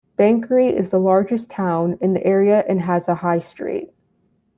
Banchory is the largest town in the area and has a High Street.